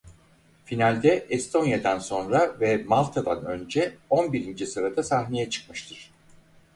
Finalde Estonya'dan sonra ve Malta'dan önce on birinci sırada sahneye çıkmıştır.